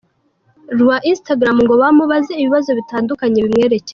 rwa Instagram ngo bamubaze ibibazo bitandukanye bimwerekeye.